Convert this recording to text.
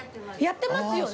やってますよね！